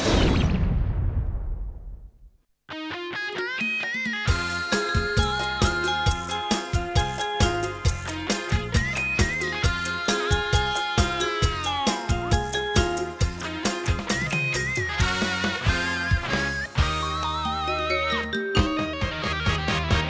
ถ้าพร้อมอินโทรเพลงที่สี่มาเลยครับ